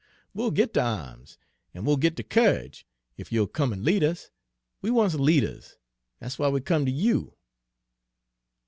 "We'll git de arms, an' we'll git de courage, ef you'll come an' lead us! We wants leaders, dat's w'y we come ter you!"